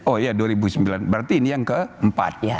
oh ya dua ribu sembilan berarti ini yang keempat